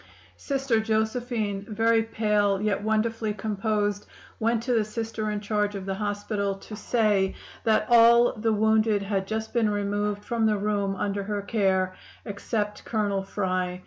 "Sister Josephine, very pale, yet wonderfully composed, went to the Sister in charge of the hospital to say that all the wounded had just been removed from the room under her care except Colonel Fry.